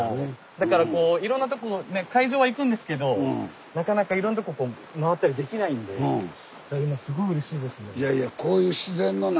だからこういろんなとこねっ会場は行くんですけどなかなかいろんなとここう回ったりできないんでいやすごい。